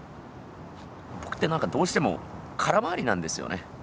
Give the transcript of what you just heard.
僕ってなんかどうしても空回りなんですよね。